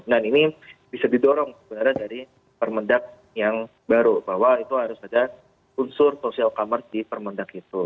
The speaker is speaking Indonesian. nah ini bisa didorong sebenarnya dari permendak yang baru bahwa itu harus ada unsur social commerce di permendak itu